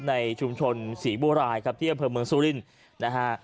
ในชุมชนศรีบัวรายครับที่อำเภอเมืองซูลินนะฮะ